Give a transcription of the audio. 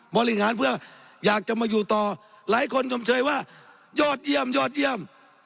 บริหารเพื่ออยากจะมาอยู่ต่อหลายคนชมเชยว่ายอดเยี่ยมยอดเยี่ยม